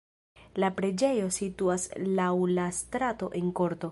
La preĝejo situas laŭ la strato en korto.